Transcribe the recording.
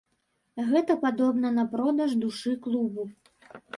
Гэта падобна на продаж душы клубу.